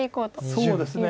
そうですね。